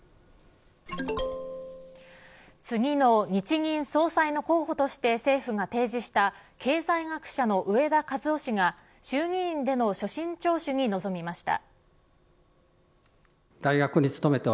次の日銀総裁の候補として政府が提示した経済学者の植田和男氏が衆議院での所信聴取に臨みました。